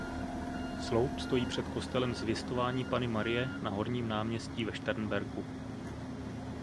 Sloup stojí před kostelem Zvěstování Panny Marie na Horním náměstí ve Šternberku.